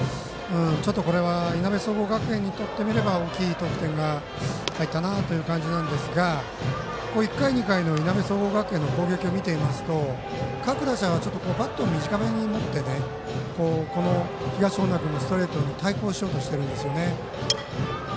ちょっとこれはいなべ総合学園にとってみれば大きい得点が入ったなという感じなんですが１回、２回のいなべ総合学園の攻撃を見ていますと各打者がバットを短めに持って東恩納君のストレートに対抗しようとしてるんですよね。